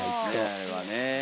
あれはねえ。